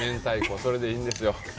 それでいいんですよ。